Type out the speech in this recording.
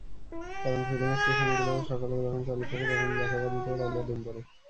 কারণ, ফিলিং স্টেশনগুলো সকালে যখন চালু থাকে, তখন বাসাবাড়িতে রান্নার ধুম পড়ে।